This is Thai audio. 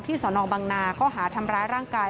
ที่สวนองค์บังนาก็หาทำร้ายราคา